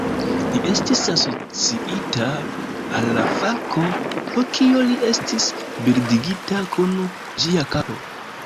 Li estis asociita al la falko, pro kio li estis bildigita kun ĝia kapo.